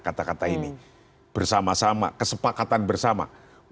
kata kata ini bersama sama kesepakatan bersama